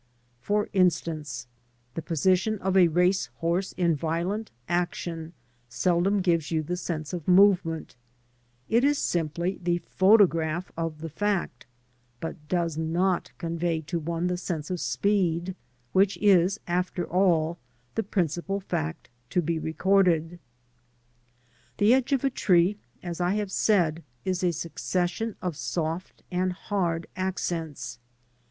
For instance, the position of a race horse in violent action seldom gives you the sense of movement It is simply the photograph of the fact, but does not convey to one the sense of speed, which is, after all, the principal fact to be recorded. The edge of a tree, as I have said, is a succession of soft and hard accents.